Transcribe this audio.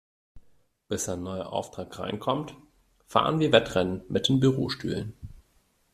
Bis ein neuer Auftrag reinkommt, fahren wir Wettrennen mit den Bürostühlen.